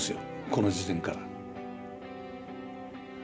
この時点から。